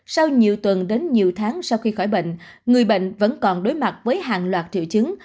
sau nhiều tuần đến nhiều tháng sau khi khỏi bệnh người bệnh vẫn còn đối mặt với hàng loạt triệu chứng